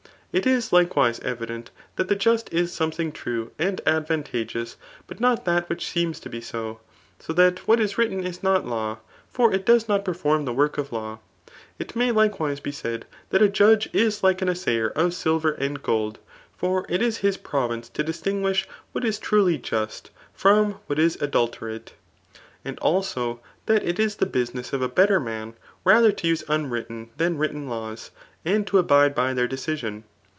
It is likewise evident that the just is something true and advantageous, but not that which seems to be so ; 80 that what is written is not law; for it does not perform the work of law. It may likewise be said that a judge is like an assayer of silver and gold ; for it is his pro* vince to distinguish what is truly just from what is adulte rate. And, also, that it is the business of a better man rather to use unwritten than written laws, and to abide by their decision.